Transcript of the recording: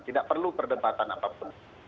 tidak perlu perdebatan apapun